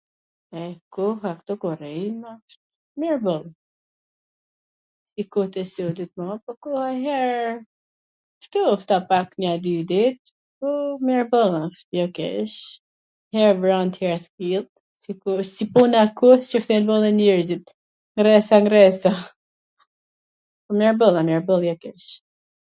Koha ktu ku rrim... mir boll. ... koha nj her kshtu u ftoh pak nja dy dit po mir boll asht, jo keq, her vrant her kthill, se ktu wsht si puna e kohs qw shpjegon dhe njerzit ... ndresa ndresa... mir boll jena, mir boll, jo keq.